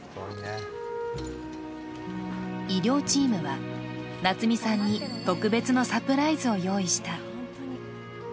医療チームは夏美さんに特別のサプライズを用意した。